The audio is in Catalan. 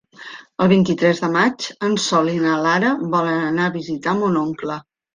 El vint-i-tres de maig en Sol i na Lara volen anar a visitar mon oncle.